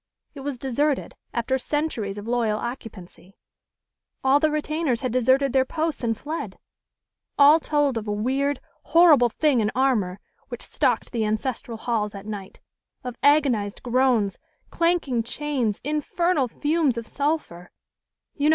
It was deserted, after centuries of loyal occupancy. All the retainers had deserted their posts and fled. All told of a weird, horrible thing in armor which stalked the ancestral halls at night of agonized groans, clanking chains, infernal fumes of sulphur you know how ghost stories run?"